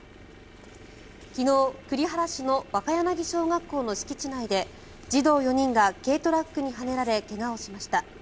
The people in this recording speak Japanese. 昨日栗原市の若柳小学校の敷地内で児童４人が軽トラックにはねられ怪我をしました。